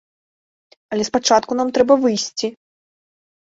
Але спачатку нам трэба выйсці!